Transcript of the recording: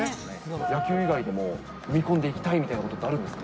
野球以外でも、踏み込んでいきたいみたいなことはあるんですか。